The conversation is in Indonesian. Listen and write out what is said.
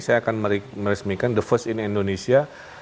saya akan meresmikan the first in indonesia